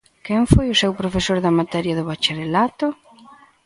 Quen foi o seu profesor da materia no bacharelato?